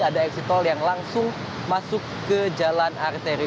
ada eksit tol yang langsung masuk ke jalan arteri